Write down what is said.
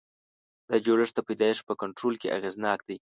دا جوړښت د پیدایښت په کنټرول کې اغېزناک دی.